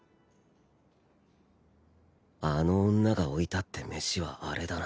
あの女が置いたって飯はあれだな